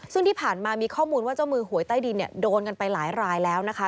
ซึ่งที่ผ่านมามีข้อมูลว่าเจ้ามือหวยใต้ดินเนี่ยโดนกันไปหลายรายแล้วนะคะ